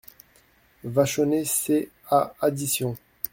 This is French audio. Vachonnet Ses a … additions !